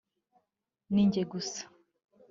ni njye gusa